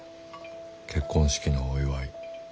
結婚式のお祝い。